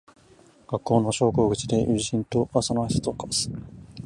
学校の昇降口で友人と朝のあいさつを交わす